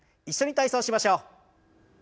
一緒に体操しましょう。